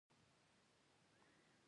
ده و ویل: یوه بوجۍ مې وڅیرله.